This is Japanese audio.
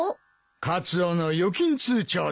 カツオの預金通帳だ。